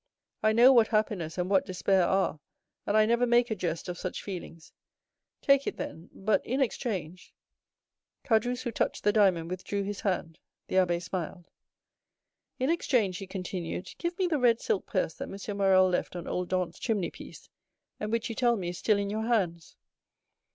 "I know what happiness and what despair are, and I never make a jest of such feelings. Take it, then, but in exchange——" Caderousse, who touched the diamond, withdrew his hand. The abbé smiled. "In exchange," he continued, "give me the red silk purse that M. Morrel left on old Dantès' chimney piece, and which you tell me is still in your hands."